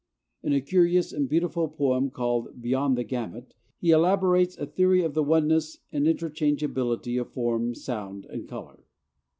In a curious and beautiful poem called 'Beyond the Gamut' he elaborates a theory of the oneness and interchangeability of form, sound, and color.